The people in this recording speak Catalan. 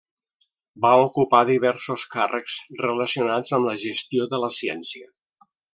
Va ocupar diversos càrrecs relacionats amb la gestió de la ciència.